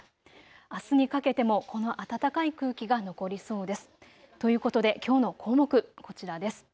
あすにかけてもこの暖かい空気が残りそうです。ということで、きょうの項目、こちらです。